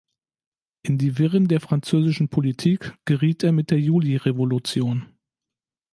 In die Wirren der französischen Politik geriet er mit der Julirevolution.